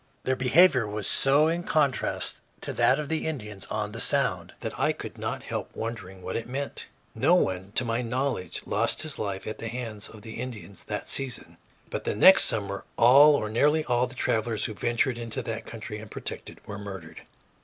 Their behavior was so in contrast to that of the Indians on the Sound that I could not help wondering what it meant. No one, to my knowledge, lost his life at the hands of the Indians that season, but the next summer all or nearly all the travelers who ventured into that country unprotected were murdered.